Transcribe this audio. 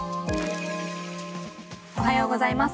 おはようございます。